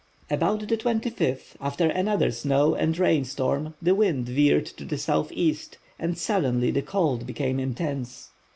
About the 25th, after another snow and rain storm, the wind veered to the southeast, and suddenly the cold became intense.